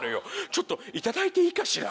ちょっといただいていいかしら？